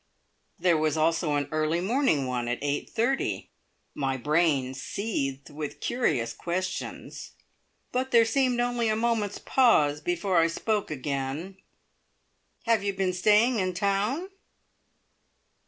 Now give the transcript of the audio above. There was also an early morning one at eight thirty. My brain seethed with curious questions, but there seemed only a moment's pause before I spoke again: "Have you been staying in town?"